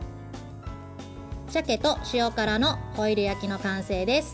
鮭と塩辛のホイル焼きの完成です。